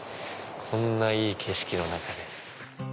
こんないい景色の中で。